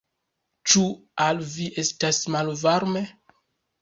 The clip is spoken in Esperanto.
Ĉu al vi estas malvarme?